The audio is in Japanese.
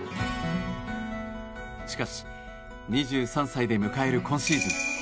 しかし、２３歳で迎える今シーズン。